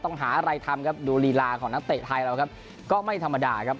ต้องหาอะไรทำครับดูลีลาของนักเตะไทยเราครับก็ไม่ธรรมดาครับ